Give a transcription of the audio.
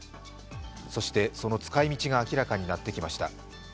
そして、その使い道が明らかになってきました。